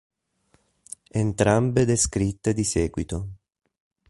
Entrambe descritte di seguito.